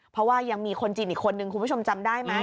เพราะว่ายังมีคนจีนอีกคนนึงคุณผู้ชมจำได้ไหม